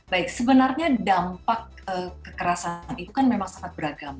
baik sebenarnya dampak kekerasan itu kan memang sangat beragam